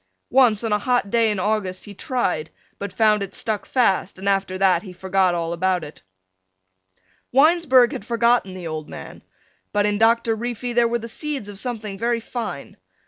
Once on a hot day in August he tried but found it stuck fast and after that he forgot all about it. Winesburg had forgotten the old man, but in Doctor Reefy there were the seeds of something very fine.